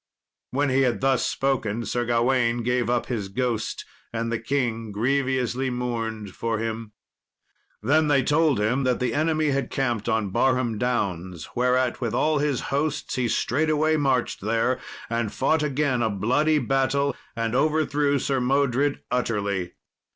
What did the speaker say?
When he had thus spoken, Sir Gawain gave up his ghost, and the king grievously mourned for him. Then they told him that the enemy had camped on Barham Downs, whereat, with all his hosts, he straightway marched there, and fought again a bloody battle, and overthrew Sir Modred utterly.